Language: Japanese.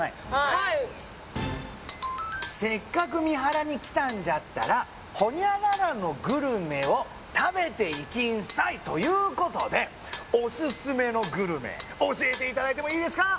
はい「せっかく三原に来たんじゃったら」「○○のグルメを食べていきんさい！」ということでオススメのグルメ教えていただいてもいいですか？